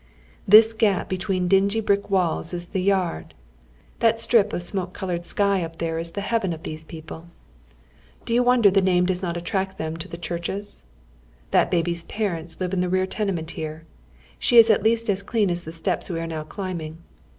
This gap between dingy brick walls is the yard. Tliat sti ip of smoke colored skv up there is the heaven of these people. Do you wonder the name does not attract them to the cliurciies? That baby's parents live in the rear tenement here. She is at least as clean as the steps we are now climbing.